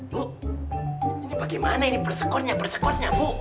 bu ini bagaimana ini persekutnya bu